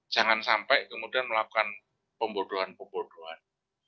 jangan sampai kemudian melakukan pembodohan pembodohan